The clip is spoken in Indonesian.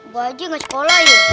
bu haji gak sekolah yuk